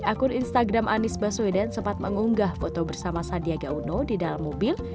akun instagram anies baswedan sempat mengunggah foto bersama sandiaga uno di dalam mobil